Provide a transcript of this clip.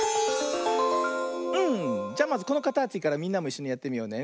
うんじゃまずこのかたちからみんなもいっしょにやってみようね。